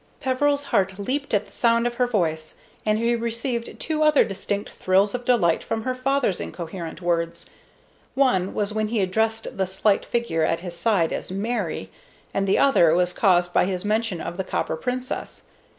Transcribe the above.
Peveril's heart leaped at the sound of her voice, and he received two other distinct thrills of delight from her father's incoherent words. One was when he addressed the slight figure at his side as "Mary," and the other was caused by his mention of the Copper Princess.